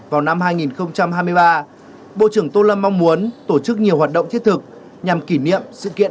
vào năm hai nghìn hai mươi ba bộ trưởng tô lâm mong muốn tổ chức nhiều hoạt động thiết thực nhằm kỷ niệm sự kiện